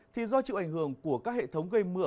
thì do chịu ảnh hưởng của các hệ thống gây mưa